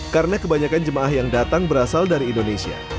karena kebanyakan jemaah yang datang berasal dari indonesia